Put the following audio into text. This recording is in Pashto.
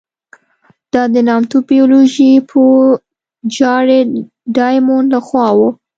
دا د نامتو بیولوژي پوه جارېډ ډایمونډ له خوا وه.